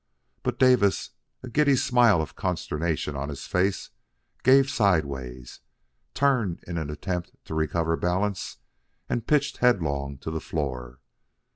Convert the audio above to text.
But Davis, a giddy smile of consternation on his face, gave sideways, turned in an attempt to recover balance, and pitched headlong to the floor.